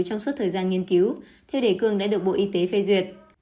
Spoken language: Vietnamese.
trong suốt thời gian nghiên cứu theo đề cương đã được bộ y tế phê duyệt